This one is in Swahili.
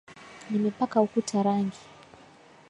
Nimepaka ukuta rangi.